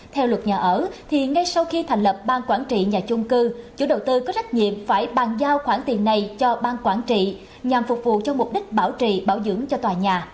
theo luật nhà ở thì ngay sau khi thành lập bang quản trị nhà chung cư chủ đầu tư có trách nhiệm phải bàn giao khoản tiền này cho bang quản trị nhằm phục vụ cho mục đích bảo trì bảo dưỡng cho tòa nhà